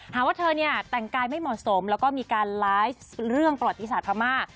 หาว่าเธอเนี่ยแต่งกายไม่เหมาะสมแล้วก็มีการไลฟ์เรื่องประวัติศาสตร์พม่า